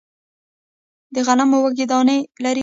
د غنمو وږی دانې لري